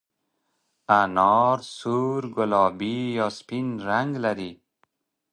انار سور، ګلابي یا سپین رنګ لري.